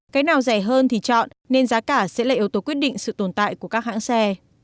cái nào rẻ hơn thì chọn nên giá cả sẽ là yếu tố quyết định sự tồn tại của các hãng xe